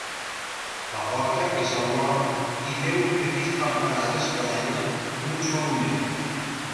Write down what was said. La porta és al nord, i té un petit campanar d'espadanya d'un sol ull.